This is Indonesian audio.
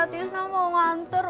kakak tisna mau nganter